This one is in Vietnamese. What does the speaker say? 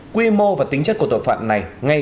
quy mô và tính chất của tội phạm này